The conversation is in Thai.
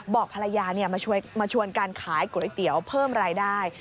บอกภรรยามาชวนการขายก๋วยเตี๋ยวเพิ่มรายได้